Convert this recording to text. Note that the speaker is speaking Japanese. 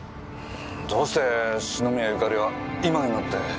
どうして篠宮ゆかりは今になって。